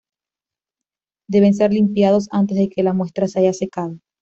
Deben ser limpiados antes de que la muestra se haya secado.